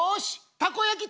たこ焼きね。